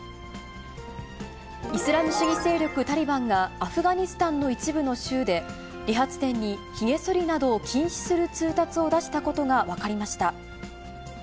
イスラム主義勢力タリバンが、アフガニスタンの一部の州で、理髪店に、ひげそりなどを禁止する通達を出したことが分かりました。